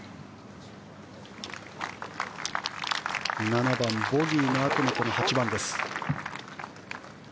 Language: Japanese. ７番、ボギーのあとにこの８番です。